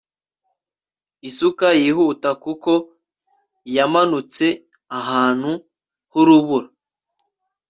isuka yihuta kuko yamanutse ahantu h'urubura